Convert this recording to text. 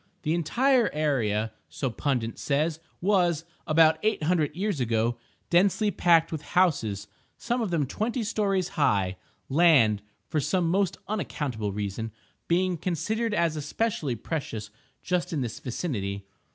The entire area (so Pundit says) was, about eight hundred years ago, densely packed with houses, some of them twenty stories high; land (for some most unaccountable reason) being considered as especially precious just in this vicinity.